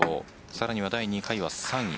さらには第２回には３位。